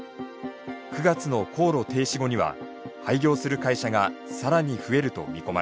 ９月の高炉停止後には廃業する会社が更に増えると見込まれています。